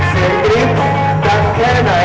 ขอบคุณทุกเรื่องราว